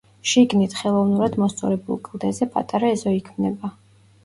შიგნით, ხელოვნურად მოსწორებულ კლდეზე, პატარა ეზო იქმნება.